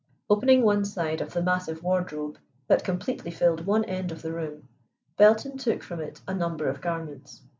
Opening one side of the massive wardrobe, that completely filled one end of the room, Belton took from it a number of garments.